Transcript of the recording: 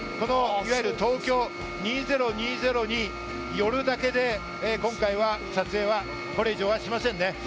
東京２０２０に寄るだけで、今回、撮影はこれ以上はしません。